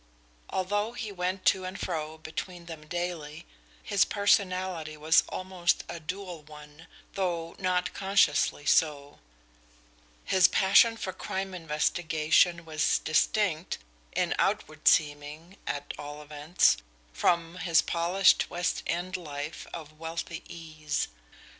Although he went to and fro between them daily, his personality was almost a dual one, though not consciously so; his passion for crime investigation was distinct in outward seeming, at all events from his polished West End life of wealthy ease.